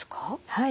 はい。